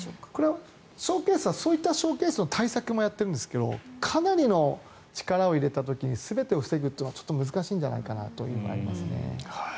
ショーケースはそういった対策もやってるんですがかなりの力を入れた時に全てを防ぐのはちょっと難しいんじゃないかというのがあります。